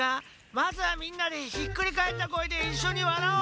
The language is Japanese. まずはみんなでひっくり返ったこえでいっしょにわらおう！